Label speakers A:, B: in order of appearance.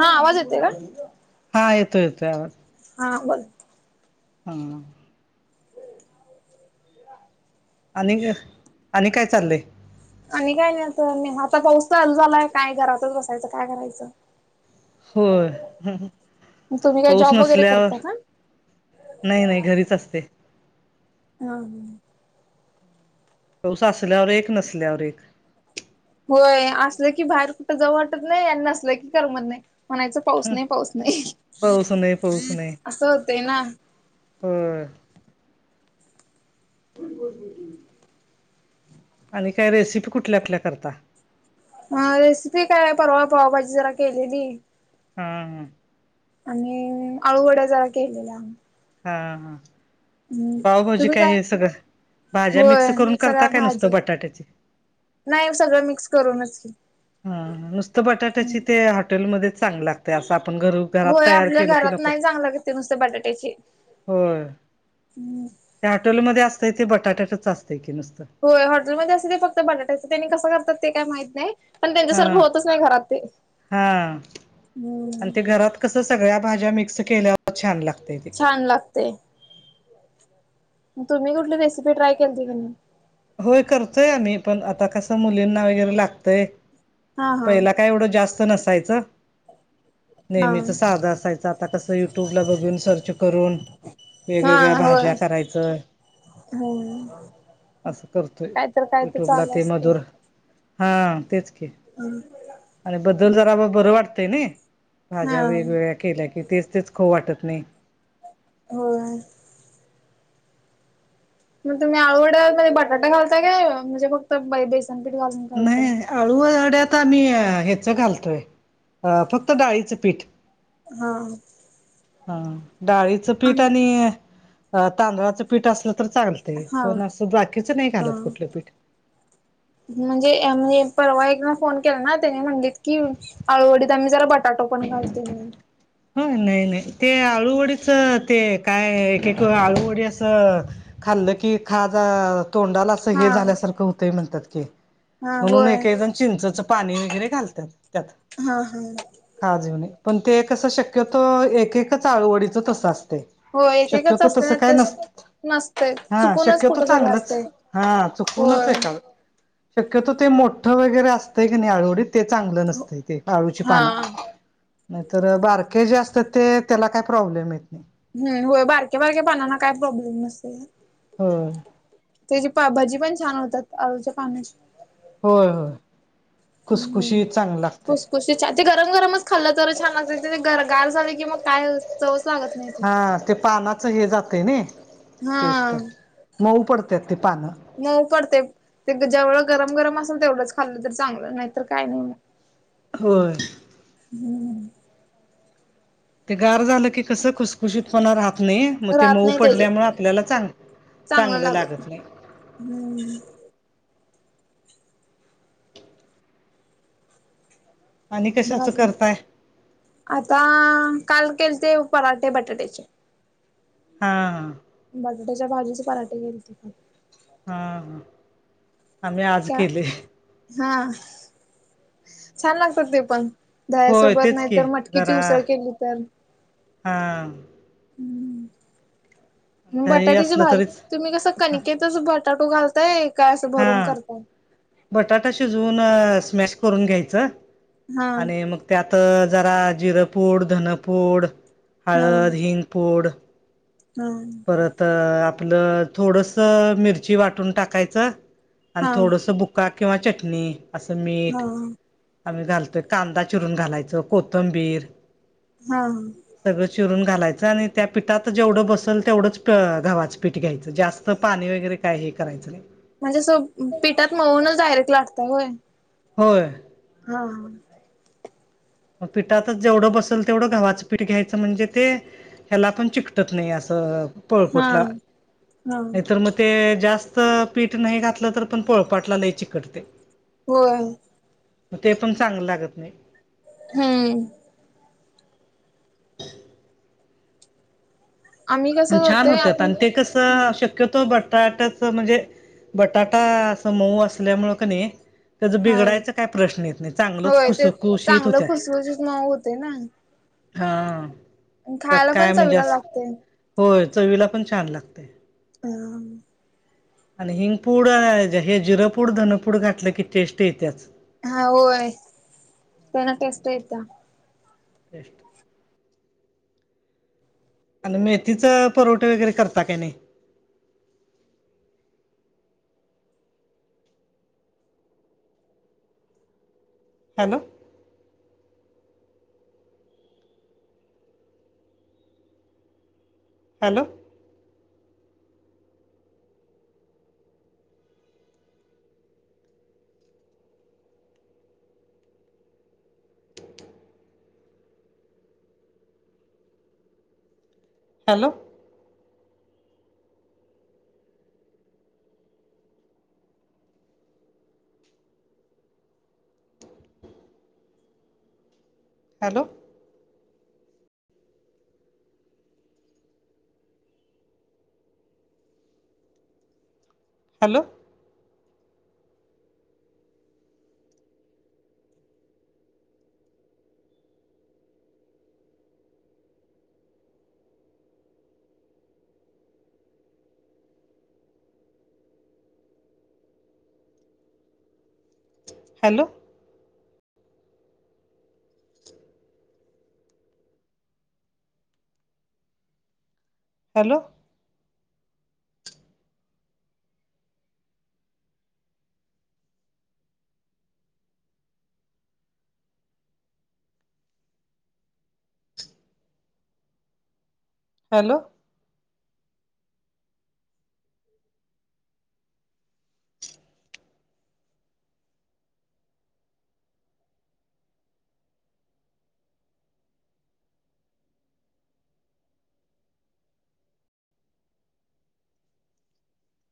A: हा आवाज येते का
B: हा येतो येतोआवाज
A: हा बोल
B: हम आणि आणि काय चाललंय
A: आणि काय नाही आता म आता पाऊस झालाय काय घरातच बसायचं काय करायचं
B: होय
A: तुम्ही काय
B: पाऊस
A: जॉब वगैरे
B: नसल्यावर
A: करता का
B: नय नय घरीच असते?
A: हम ह
B: पाऊस असल्यावर एक नसल्यावर एक
A: होय असलं की बाहेर कुठं जाव वाटत नाही आणि नसलं की करमत नाही म्हणायचं. पाऊस नाही पाऊस नाही
B: पाऊस नाही पाऊस नाही
A: असं होतंय ना.
B: होय.
A: [inaudible]
B: आणि काय रेसिपी कुठल्या आपल्याकरता.
A: ह रेसिपी काय परवा पावभाजी जरा केलेली.
B: हा हा
A: आणि आळूवड्या जरा केलेल्या?
B: हा हा
A: हम्म
B: पावभाजी
A: तुम्ही
B: काय हे सगळं भाज्या
A: होय
B: मिक्स करून करता
A: सगळ्या
B: काय नुसतं
A: भाज्या
B: बटाट्याच?
A: नाही सगळं मिक्स करूनच की.
B: हा नुसत बटाट्याची ते हॉटेलमध्येच चांगल लागतय असं आपण घर घरात
A: होय
B: तयार
A: आपल्या
B: केलं की
A: घरात
B: नको
A: नाही चांगलं नाही लागत नुसत बटाट्याची.
B: होय त्या हॉटेलमध्ये असतंय ते बटाट्याटच असतंय की नुसत.
A: होय हॉटेलमध्ये असतय ते फक्त बटाट्याचं त्यांनी कसं करतात ते काय माहीत नाही. पण
B: हा
A: त्यांच्यासारखं होतच नाही घरात ते?
B: कस सगळ्या भाज्या मिक्स केल्यावर छान लागतय. ते.
A: छान लागतय? तुम्ही कुठली रेसिपी ट्राय केलती का नाही.
B: होय करतोय आम्ही पण आता कसं मुलींना वगैरे लागतंय?
A: हा हा
B: पहिला काय एवढं जास्त नसायचं? नेहमीच साधं असायचं आता कसं युट्यूब ला बघून सर्च करून.
A: हा
B: वेगवेगळ्या
A: हा
B: भाज्या
A: होय
B: करायचं.
A: हम्म
B: असं करतोय
A: काय तर काय तर
B: युट्यूबला
A: चालू
B: ते
A: असते
B: मधुर हा तेच की.
A: [inaudible]
B: आणि बद्दल जरा बरं वाटतय नाही
A: हा
B: भाज्या वेगवेगळ्या केल्या की तेच तेच खावू वाटत नाही.
A: होय. मग तुम्ही आळूवड्या मध्ये बटाटा घालताय म्हणजे फक्त बेसनपीठ घालून घालताय.
B: अळुवड्यात आम्ही हेंच घालतोय फक्त डाळीचं पीठ?
A: हा
B: हा डाळीचं पीठ आणि तांदळाचं पीठ असलं तर चांगलं? ते
A: हा
B: पण असं बाकीच नाही घालत
A: हा
B: कुठलं पीठ.
A: म्हणजे म्हणजे परवा एक ना फोन केला ना त्याने म्हणलेत की? आळूवडीत आम्ही जरा बटाट पण घालतोय म्हणून
B: हो नाही नाही ते आळूवडीच ते काय एक एक आळूवडी असं खाल्लं की खाज तोंडालाच
A: हा
B: हे झाल्यासारख होतय म्हणत्यात की
A: हा
B: म्हणून
A: होय
B: एकेकजन. चिंचच पाणी वगैरे घालत्यात त्यात
A: हा हा
B: खाजीऊने पण ते कसं शक्यतो एक एकच आळुवडीच तसं असतय.
A: हो एकेकच
B: शक्यतो
A: असते
B: तसं
A: नाही
B: काय
A: तर
B: नसत
A: नसतय
B: हा
A: चुकूनच
B: शक्यतो
A: कुठ तरी
B: चांगलंच
A: असतय
B: हा चुकूनच
A: होय
B: एका शक्यतो ते मोठं वगैरे असतंय की नाही आळूवडीत ते चांगलं नसतंय ते आळूची
A: हा
B: पानं. तर बारके जे असतात ते त्याला काही प्रॉब्लेम येत नाही.
A: हम् होय बारके बारके पानाना काय प्रॉब्लेम नसेते.
B: होम
A: त्याची भजी पण छान होतात आळूच्या पाहण्याची
B: होय होय
A: हम्म
B: खुसखुशीत चांगल लागतय.
A: [unintelligible] गरम गरमच खाल्लं तर छान लागत्यात ते गर गार झाले कि मग काय चवच लागत नाही. ते
B: हा ते पानाचं हे जातय नाही टेस्ट
A: हा
B: मऊ पड त्यात ते पानं.
A: मऊ पडतय. ते जेवढं गरम गरम असेल तेवढंच खाल्लं तर चांगलं नाही तर काय नाही.
B: होय.
A: हम्म.
B: ते गार झालं की कसं खुसखुशीतपणा राहत नाही. मग ते
A: राहत
B: मऊ
A: नाही त्याच
B: पडल्यामुळे आपल्याला चांग चांगलं लागत नाही.
A: हम्म.
B: आणि कशा
A: मग
B: असं
A: अजून
B: करताय.
A: आता काल केल ते पराठे बटाट्याचे.
B: हा हा.
A: बटाट्याच्या भाजीचे पराटे घेलते.
B: हा आम्ही आज
A: क्या
B: केले.
A: हा छान लागतात ते पण.
B: होय
A: धयासोबत
B: तेच
A: नाही
B: की
A: तर मटकीची
B: जरा
A: उसळ केली तर.
B: हा दही
A: बटाट्याची
B: असलं
A: भाजी
B: तरीच
A: तुम्ही कसं कणिकेतच बटाटो घालताय काय असं
B: हा
A: भरून करताय.
B: बटाटा शिजवून स्मॅश करून घ्यायचं
A: हा
B: आणि मग. त्यात जरा जिरंपूड धनपूड
A: हा
B: हळद हिंगपूड.
A: हा.
B: परत आपलं थोडस मिरची वाटून टाकायचं आणि
A: हा
B: थोडस बु का किंवा चटणी असं मीठ.
A: हा
B: आम्ही घालतोय कांदा चिरून घालायचो कोथंबीर.
A: हा हा.
B: सगळं चिरून घालायचं आणि त्या पिठात जेवढं बसल. तेवढंच क धावाचं पीठ घ्यायचं जास्त पाणी वगैरे काय हे करायचं नाही.
A: म्हणजे स पिठात मळून डायरेक्ट लाटतय होय.
B: होय.
A: हा हा.
B: पिठातच जेवढं बसेल तेवढं गव्हाचं पीठ घ्यायचं म्हणजे ते. ह्याला पण चिकटत नाही असं
A: हा
B: पळपूटला
A: हा
B: नाहीतर मग. ते जास्त पीठ नाही घातलं तर पण पोळपाटला लाय चिकटते.
A: होय.
B: मग ते पण चांगलं लागत नाही.
A: हम्म.
B: [inaudible]
A: आम्ही
B: आणि
A: कसं
B: छान
A: करतोय
B: होत्या
A: आपण
B: आणि ते शक्यतो.
A: हम्म
B: शक्यतो बटाट्याच म्हणजे बटाटा असं मऊ असल्यामुळें क नाही. त्याचा
A: हा
B: बिघडायचा काही प्रश्न येत नाही चांगलच
A: होय ते
B: खुसखुशी
A: चांगलं
B: होत्यात.
A: खुसखुशीत मऊ होते ना.
B: हा त्यात
A: खायला पण
B: काय म्हणजे
A: चवीला
B: अस
A: लागते.
B: होय चवीला पण छान लागतेय.
A: ह.
B: आणि हिंग पूड हे जिरपूड धनपूड घातलं की टेस्ट येतेच.
A: हा होय त्यांना टेस्ट येत.
B: टेस्ट. आणि मेथीचं परवठा वगैरे करता काय नाही. Hello. Hello. Hello. Hello. Hello. Hello. Hello. Hello.